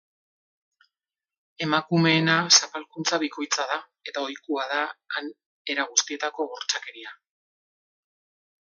Emakumeena zapalkuntza bikoitza da, eta ohikoak da han era guztietako bortxakeria.